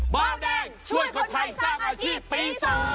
เบาแดงช่วยคนไทยสร้างอาชีพปี๓